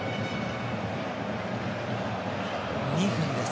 ２分です。